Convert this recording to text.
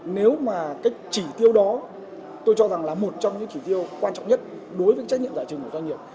nếu mà cái chỉ tiêu đó tôi cho rằng là một trong những chỉ tiêu quan trọng nhất đối với trách nhiệm giải trình của doanh nghiệp